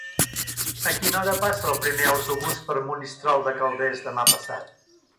A quina hora passa el primer autobús per Monistrol de Calders demà passat?